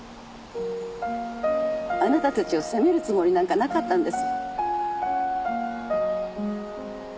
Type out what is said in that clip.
あなたたちを責めるつもりなんかなかったんです。